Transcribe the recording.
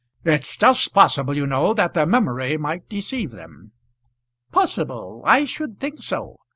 It's just possible, you know, that their memory might deceive them." "Possible! I should think so.